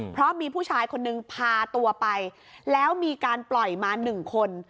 เพราะมีผู้ชายคนนึงพาตัวไปแล้วมีการปล่อยมา๑คน